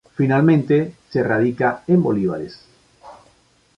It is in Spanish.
Finalmente se radica en Bs.